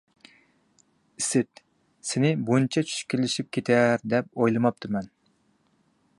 ئىسىت، سېنى بۇنچە چۈشكۈنلىشىپ كېتەر دەپ ئويلىماپتىمەن.